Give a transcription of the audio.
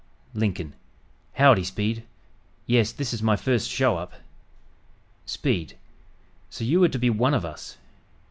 Lincoln "Howdy, Speed! Yes, this is my first show up." Speed "So you are to be one of us?"